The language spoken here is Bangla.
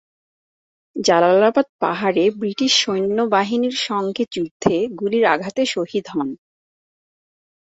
জালালাবাদ পাহাড়ে ব্রিটিশ সৈন্যবাহিনীর সংগে যুদ্ধে গুলির আঘাতে শহীদ হন।